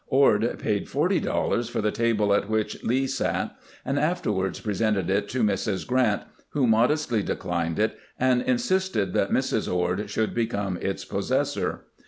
Ord paid forty dollars for the table at which Lee sat, and afterward presented it to Mrs. Grant, who modestly declined it, and insisted that Mrs. Ord should become its possessor.